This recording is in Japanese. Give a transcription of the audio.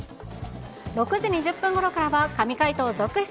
６時２０分ごろからは、神回答続出。